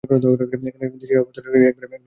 এখানকার দিশেহারা অবস্থাটার দিকে একবার তাকিয়ে দেখো!